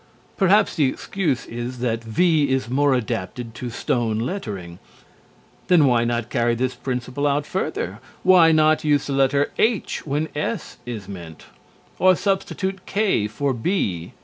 Perhaps the excuse is that "V" is more adapted to stone lettering. Then why not carry this principle out further? Why not use the letter H when S is meant? Or substitute K for B?